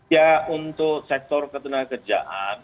ya untuk sektor ketenaga kerjaan